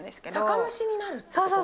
酒蒸しになるってこと？